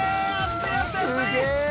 すげえ！